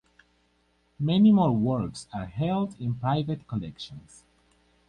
Many more works are held in private collections.